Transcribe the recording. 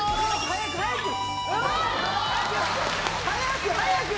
早く早く！